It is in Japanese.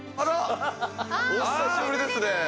お久しぶりですね。